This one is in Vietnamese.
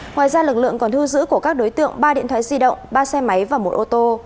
ngoài ra lực lượng còn thu giữ của các đối tượng ba điện thoại di động ba xe máy và một ô tô